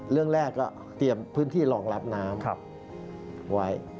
เรื่องแรกก็เตรียมพื้นที่รองรับน้ำไว้